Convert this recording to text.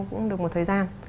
cũng được một thời gian